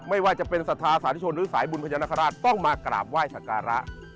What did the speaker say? เพราะที่ว่าจะเป็นสถาสาธิชนหรือสายบุญพญานคราชต้องมากราบไหว้ศักรรณะ